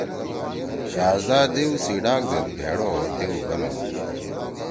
شہزَدا دیؤ سی ڈاگ زید بھیڑ او دیؤ بنَدُو: